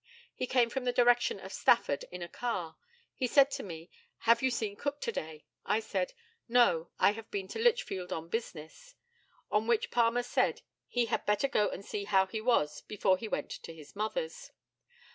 He came from the direction of Stafford, in a car. He said to me, "Have you seen Cook to day?" I said, "No; I have been to Lichfield on business;" on which Palmer said he had better go and see how he was before he went to his mother's.